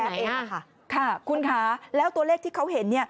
ค่ะคุณค่ะแล้วตัวเลขที่เขาเห็น